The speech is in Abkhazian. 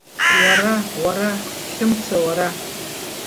Уара, уара, Хьымца, уара…